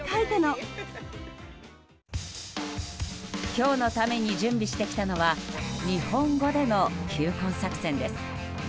今日のために準備してきたのは日本語での求婚作戦です。